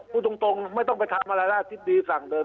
สูตรุงไม่ต้องไปทำอะไร